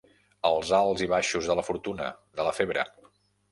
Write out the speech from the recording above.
Els alts i baixos de la fortuna, de la febre.